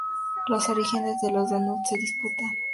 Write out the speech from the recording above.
Los orígenes de los donuts se disputan.